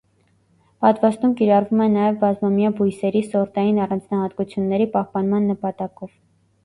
Պատվաստում կիրառվում է նաև բազմամյա բույսերի սորտային առանձնահատկությունների պահպանման նպատակով։